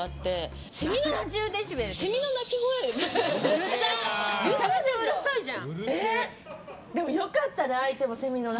めちゃめちゃうるさいじゃん。